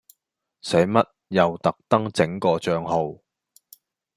使乜又特登整個帳號